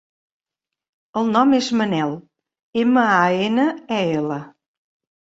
El nom és Manel: ema, a, ena, e, ela.